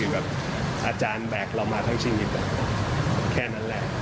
แบบอาจารย์แบกเรามาทั้งชีวิตแค่นั้นแหละ